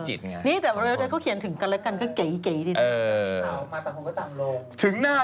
สาวมาตลกแต่ลง